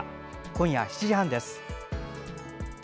今夜７時半です。